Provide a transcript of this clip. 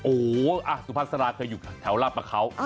โอ้โหสุภาษาราเคยอยู่แถวลาบประเขา